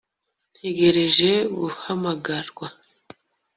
Ntegereje guhamagarwa